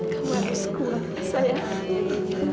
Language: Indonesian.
kamu harus kuat sayang